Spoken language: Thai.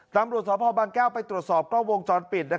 ตำรวจสพบางแก้วไปตรวจสอบกล้องวงจรปิด